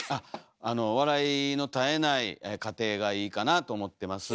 あの笑いの絶えない家庭がいいかなと思ってます。